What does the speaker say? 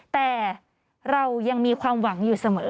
แต่เรายังมีความหวังอยู่เสมอ